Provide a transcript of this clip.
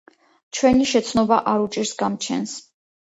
ჩვენი შეცნობა არ უჭირს გამჩენს.